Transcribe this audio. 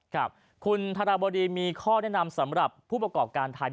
ครับคุณธรบดีมีข้อแนะนำสำหรับผู้ประกอบการไทย